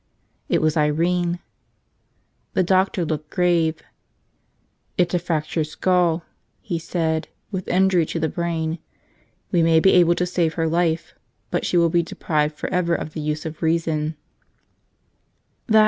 It was Irene. The doctor looked grave. "It's a fractured skull," he said, "with injury to the brain. We may be able to save her life, but she will be deprived forever of the use of reason."